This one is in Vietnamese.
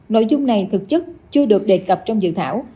nội dung này thực chất chưa được đề cập trong dự thảo